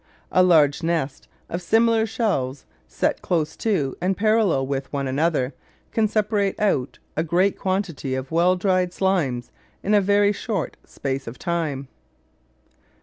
A large nest of similar shelves, set close to, and parallel with, one another, can separate out a great quantity of well dried slimes in a very short space of time.